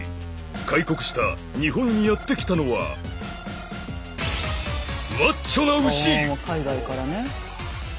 開国した日本にやって来たのは海外からね。